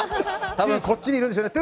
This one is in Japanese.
多分こっちにいるんでしょうね。